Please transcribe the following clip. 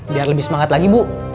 biar lebih semangat lagi bu